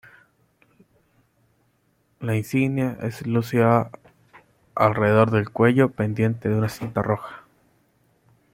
La insignia es lucida alrededor del cuello, pendiente de una cinta roja.